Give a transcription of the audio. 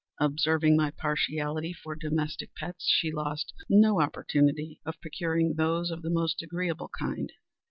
Observing my partiality for domestic pets, she lost no opportunity of procuring those of the most agreeable kind.